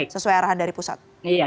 sesuai arahan dari pusat